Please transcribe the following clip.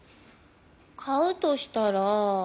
買うとしたら。